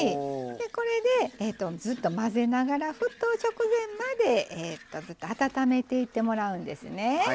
これでずっと混ぜながら沸騰直前までずっと温めていってもらうんですね。